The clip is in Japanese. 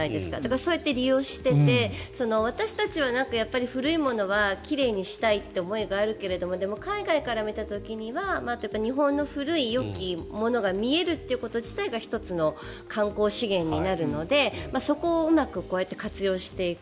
そうやって利用してて私たちも古いものは奇麗にしたいという思いがあるけどでも海外から見た時には日本の古きよきものが見えるということ自体が１つの観光資源になるのでそこをうまくこうやって活用していく。